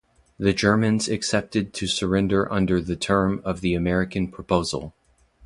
The Germans accepted to surrender under the term of the American proposal.